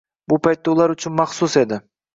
Bu paytda ular uchun maxsus edi.